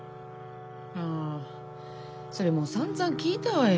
あそれもうさんざん聞いたわよ。